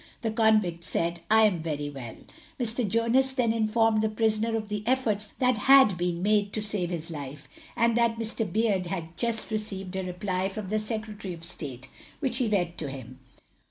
The convict said, "I am very well." Mr. Jonas then informed the prisoner of the efforts that had been made to save his life, and that Mr. Beard had just received a reply from the Secretary of State, which he read to him.